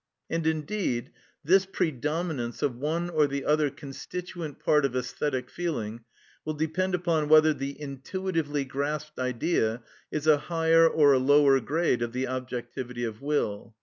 And, indeed, this predominance of one or the other constituent part of æsthetic feeling will depend upon whether the intuitively grasped Idea is a higher or a lower grade of the objectivity of will.